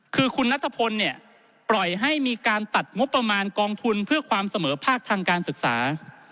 คือคุณนัทพลเนี่ยปล่อยให้มีการตัดงบประมาณกองทุนเพื่อความเสมอภาคทางการศึกษา